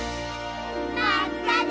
まったね！